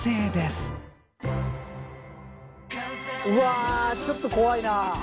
うわちょっと怖いな。